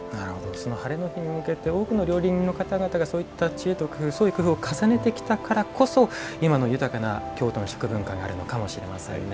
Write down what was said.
ハレの日に向けて多くの料理人の方々がそういう知恵と工夫創意工夫を重ねてきたからこそ今の豊かな京都の食文化があるのかもしれませんね。